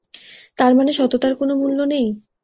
তারমানে সততার কোন মূল্য নেই?